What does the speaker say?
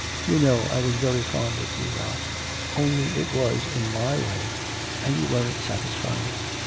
You know I was very fond of you, Ralph, only it was in my way and you weren't satisfied.'